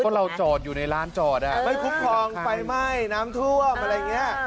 เพราะเราจอดอยู่ในร้านจอดไม่คุ้มครองไฟไหม้น้ำท่วมอะไรอย่างนี้